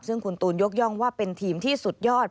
ซึ่งคุณตูนยกย่องว่าเป็นทีมที่สุดยอด